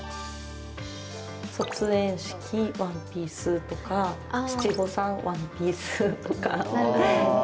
「卒園式」「ワンピース」とか「七五三」「ワンピース」とか。